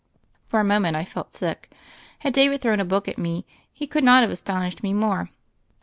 For a moment I felt sick. Had David thrown a book at me he could not have aston ished me more.